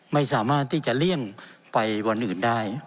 ไม่สามารถที่จะเลี่ยงไปวันอื่นได้